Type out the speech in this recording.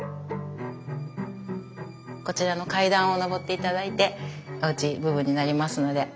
こちらの階段を上って頂いておうち部分になりますので。